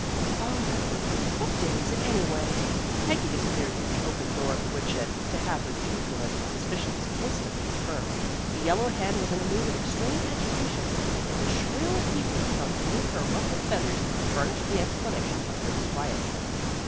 "Oh, I wonder What day is it, anyway?" Peggy disappeared through the open door of the woodshed, to have her jubilant suspicions instantly confirmed. The yellow hen was in a mood of extreme agitation, and a shrill peeping from beneath her ruffled feathers furnished the explanation of her disquiet.